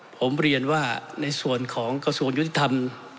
ผมเรียนว่าในส่วนของกระทรวงยุติธรรม